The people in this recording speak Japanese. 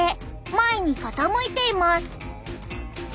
前に傾いています。